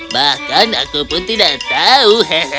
bahkan aku pun tidak tahu